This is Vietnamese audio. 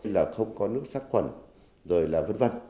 là không có nước sát khuẩn rồi là v v